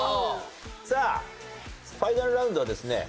さあファイナルラウンドはですね